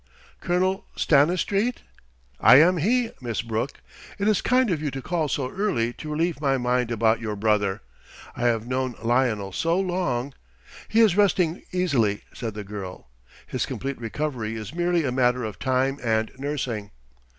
"Colonel Stanistreet?" "I am he, Miss Brooke. It is kind of you to call so early to relieve my mind about your brother. I have known Lionel so long...." "He is resting easily," said the girl. "His complete recovery is merely a matter of time and nursing."